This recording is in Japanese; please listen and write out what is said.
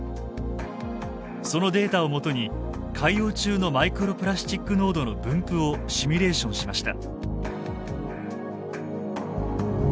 そのデータを基に海洋中のマイクロプラスチック濃度の分布をシミュレーションしました。